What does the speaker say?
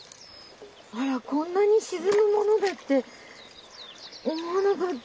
あらこんなに沈むものだって思わなかった。